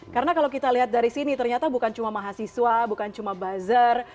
karena kalau kita lihat dari sini ternyata bukan cuma mahasiswa bukan cuma bazar